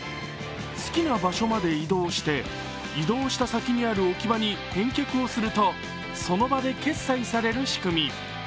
好きな場所まで移動して移動した先にある置き場に返却をするとその場で決済される仕組み。